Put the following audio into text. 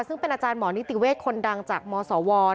ซึ่งเป็นอาจารย์หมอนิติเวศคนดังจากมศว